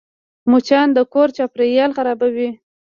مچان د کور چاپېریال خرابوي